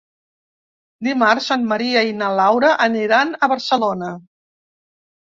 Dimarts en Maria i na Laura aniran a Barcelona.